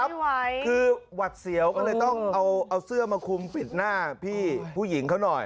ไม่ไหวคือหวัดเสียวก็เลยต้องเอาเอาเสื้อมาคุมปิดหน้าพี่ผู้หญิงเขาหน่อย